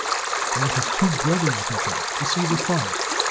He brought his two brothers with him, to see the fun.